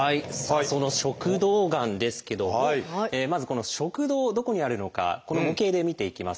その「食道がん」ですけどもまずこの食道どこにあるのかこの模型で見ていきます。